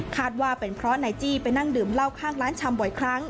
ว่าเป็นเพราะนายจี้ไปนั่งดื่มเหล้าข้างร้านชำบ่อยครั้ง